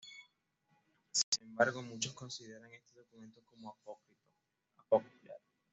Sin embargo muchos consideran este documento como apócrifo.